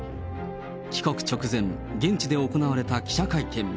帰国直前、現地で行われた記者会見。